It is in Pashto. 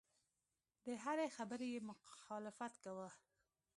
د هرې خبرې یې مخالفت کاوه.